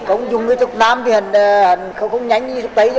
không dùng thuốc nam thì không nhanh như thuốc tay